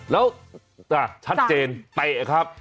แล้วชัดเจนเตะครับ